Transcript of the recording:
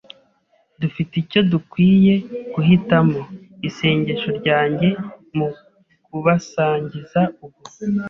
dufite icyo dukwiye guhitamo. Isengesho ryange mu kubasangiza ubu